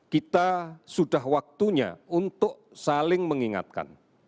kita sudah waktunya untuk saling mengingatkan